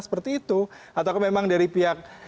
seperti itu atau memang dari pihak